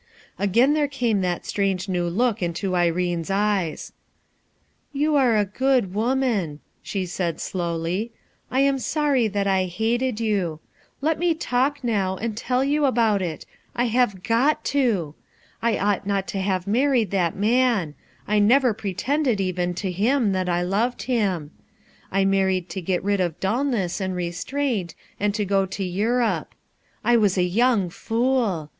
Again there came that strange new look into Irene's eyes. "You are a good woman," she said slowly. "I A RETROGRADE MOVEMENT am sorry that I hated you. Let me ^ nQw and tell you about it. I have got to! I 0U J not to have married that man; I never * tended even to him that I loved him T ned to get rid of dulness and restraint, and to g0 to Europe. I was a young fool